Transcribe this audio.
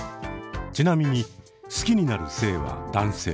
ちなみに好きになる性は男性。